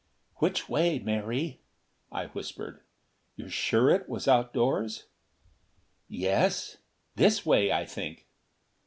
"Which way, Mary?" I whispered. "You're sure it was outdoors?" "Yes. This way, I think."